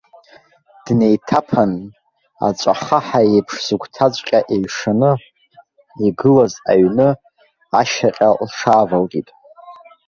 Днеиҭаԥан, аҵәахаҳа еиԥш зыгәҭаҵәҟьа еиҩшаны игылаз аҩны ашьаҟа лҽаавалкит.